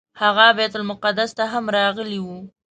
هغه بیت المقدس ته هم راغلی و.